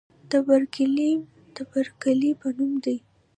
د برکیلیم د برکلي په نوم دی.